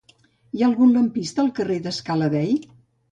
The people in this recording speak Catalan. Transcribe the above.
Hi ha algun lampista al carrer de Scala Dei?